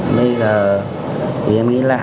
bây giờ thì em nghĩ lại